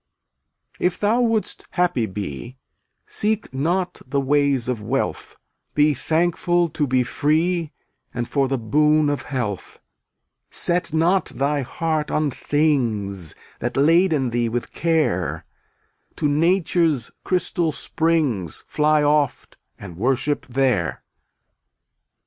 279 If thou wouldst happy be Seek not the ways of wealth; Be thankful to be free And for the boon of health. Set not thy heart on things That laden thee with care; To nature's crystal springs Fly oft and worship there.